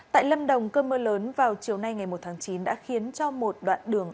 tại lâm đồng cơn mưa lớn vào chiều nay ngày một tháng chín đã khiến cho một đoạn đường